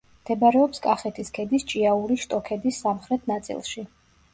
მდებარეობს კახეთის ქედის ჭიაურის შტოქედის სამხრეთ ნაწილში.